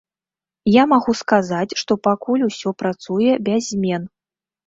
Я магу сказаць, што пакуль усё працуе без змен.